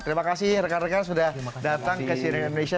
terima kasih rekan rekan sudah datang ke cnn indonesia